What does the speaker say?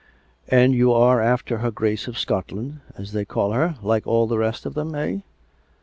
" And you are after her Grace of Scotland, as they call her, like all the rest of them, eh.''